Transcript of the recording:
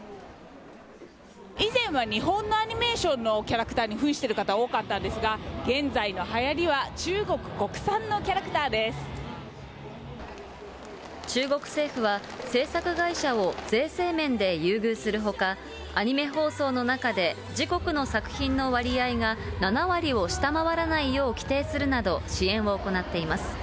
以前は日本のアニメーションのキャラクターにふんしている方、多かったんですが、現在のはやりは、中国政府は、制作会社を税制面で優遇するほか、アニメ放送の中で、自国の作品の割合が７割を下回らないよう規定するなど、支援を行っています。